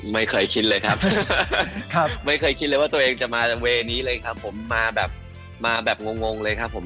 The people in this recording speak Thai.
ไม่เคยชินเลยครับไม่เคยคิดเลยว่าตัวเองจะมาจากเวย์นี้เลยครับผมมาแบบมาแบบงงเลยครับผม